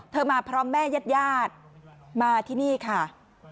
เธอมาพร้อมแม่แยดมาที่นี่ค่ะ